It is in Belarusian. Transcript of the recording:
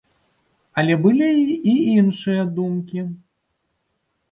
Але былі і іншыя думкі.